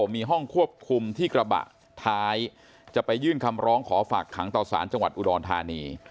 มีห้องควบคุมที่กระบะท้ายจะไปยื่นคำร้องขอฝากขังต่อสารจังหวัดอุดรธานี